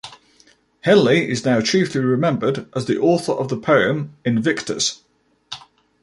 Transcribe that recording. Henley is now chiefly remembered as the author of the poem "Invictus".